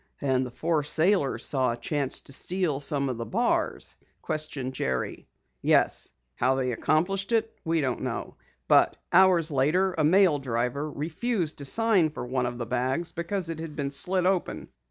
"And the four sailors saw a chance to steal some of the bars?" questioned Jerry. "Yes, how they accomplished it we don't know. But hours later a mail driver refused to sign for one of the bags because it had been slit open.